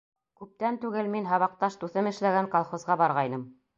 Күптән түгел мин һабаҡташ дуҫым эшләгән колхозға барғайным.